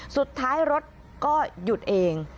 สุดท้ายรถก็หยุดเอง